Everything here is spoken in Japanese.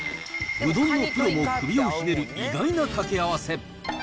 うどんのプロも首をひねる意外なかけあわせ。